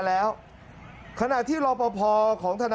เวทย์แสดงอยู่นั่น